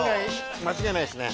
間違いないっすね。